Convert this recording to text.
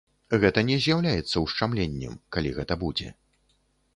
Гэта не з'яўляецца ушчамленнем, калі гэта будзе.